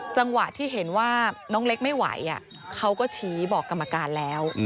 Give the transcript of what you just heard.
จังหวะที่เห็นว่าน้องเล็กไม่ไหวเขาก็ชี้บอกกรรมการแล้ว